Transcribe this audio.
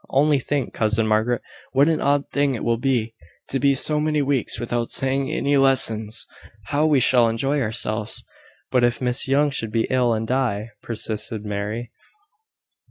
Only think, cousin Margaret! what an odd thing it will be, to be so many weeks without saying any lessons! How we shall enjoy ourselves!" "But if Miss Young should be ill, and die!" persisted Mary.